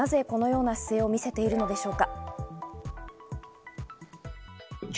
なぜ、このような姿勢を見せているのでしょうか。